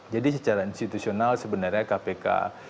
jadi secara institusional sebenarnya kpk